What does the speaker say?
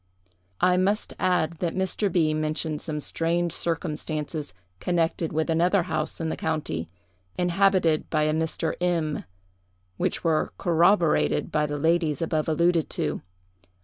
"I must add, that Mr. B—— mentioned some strange circumstances connected with another house in the county, inhabited by a Mr. M——, which were corroborated by the ladies above alluded to.